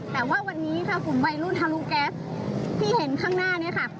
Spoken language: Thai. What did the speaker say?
แต่ว่าวันนี้ค่ะกลุ่มวัยรุ่นทะลุแก๊สที่เห็นข้างหน้านี้ค่ะ